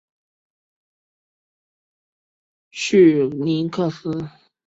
绪林克斯。